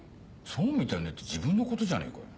「そうみたいね」って自分のことじゃねえかよ。